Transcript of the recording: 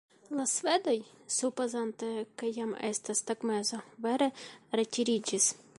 La svedoj, supozante ke jam estas tagmezo, vere retiriĝis.